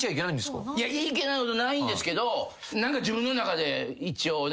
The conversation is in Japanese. いけないことないんですけど何か自分の中で一応ね。